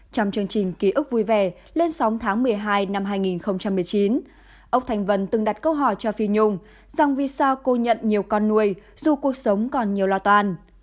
trong chương trình ký ức vui vẻ lên sóng tháng một mươi hai năm hai nghìn một mươi chín ốc thành vân từng đặt câu hỏi cho phi nhung rằng vì sao cô nhận nhiều con nuôi dù cuộc sống còn nhiều lo toan